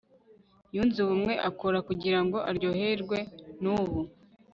yunze ubumwe akora kugirango aryoherwe nubu